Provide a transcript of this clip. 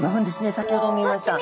先ほど見ました。